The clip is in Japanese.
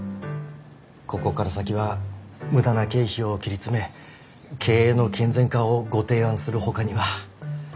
ここから先は無駄な経費を切り詰め経営の健全化をご提案するほかには。